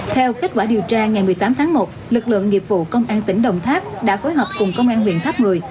theo kết quả điều tra ngày một mươi tám tháng một lực lượng nghiệp vụ công an tỉnh đồng tháp đã phối hợp cùng công an huyện tháp một mươi